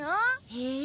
へえ。